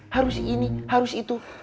harus ini harus itu